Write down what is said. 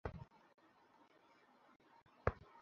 আপনার বোন তার বাসা ছেড়ে একাকি সেই বনে গিয়েছিল।